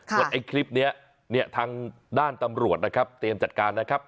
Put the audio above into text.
ว่าคลิปนี้ทางด้านตำรวจเตรียมจัดการนะครับ